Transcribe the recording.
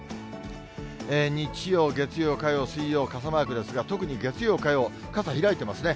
日曜、月曜、火曜、水曜、傘マークですが、特に月曜、火曜、傘開いてますね。